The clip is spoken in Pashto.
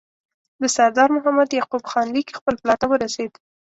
د سردار محمد یعقوب خان لیک خپل پلار ته ورسېد.